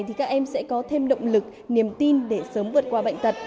thì các em sẽ có thêm động lực niềm tin để sớm vượt qua bệnh tật